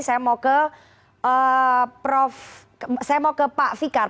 saya mau ke prof saya mau ke pak fikar